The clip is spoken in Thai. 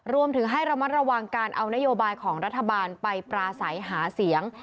รวมถึงให้ระมัดระวังการเอานโยบายของรัฐบาลไปปราศัยหาเสียง